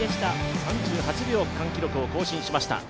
３８秒区間新記録を更新しました。